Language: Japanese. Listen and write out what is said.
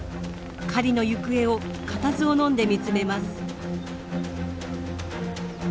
狩りの行方を固唾をのんで見つめます。